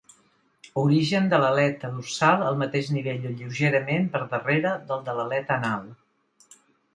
Origen de l'aleta dorsal al mateix nivell o lleugerament per darrere del de l'aleta anal.